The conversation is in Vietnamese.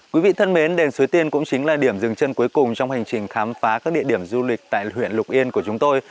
quý vị thân mến đền suối tiên cũng chính là điểm dừng chân cuối cùng trong hành trình khám phá các địa điểm du lịch tại huyện lục yên của chúng tôi